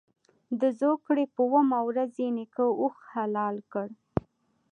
د زوکړ ې په اوومه ورځ یې نیکه اوښ حلال کړ.